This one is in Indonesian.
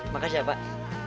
makasih ya pak